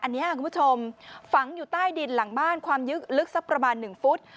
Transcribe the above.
อันนี้คุณผู้ชมฝังอยู่ใต้ดินหลังบ้านความลึกลึกสักประมาณ๑ฟุต